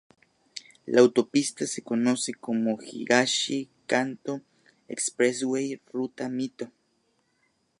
La autopista se conoce como Higashi-Kantō Expressway Ruta Mito.